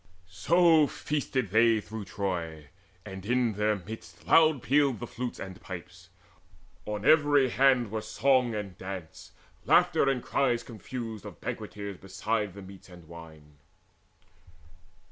So feasted they through Troy, and in their midst Loud pealed the flutes and pipes: on every hand Were song and dance, laughter and cries confused Of banqueters beside the meats and wine.